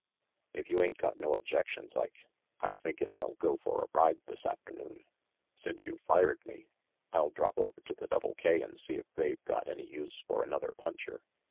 If you ain't got no objections, Ike, I'm thinkin' I'll go for a ride this afternoon. Since you've fired me, I'll drop over to the Double K and see if they've got any use for another puncher."